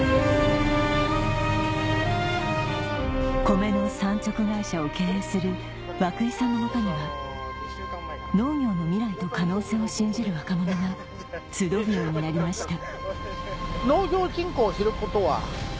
コメの産直会社を経営する涌井さんの元には農業の未来と可能性を信じる若者が集うようになりました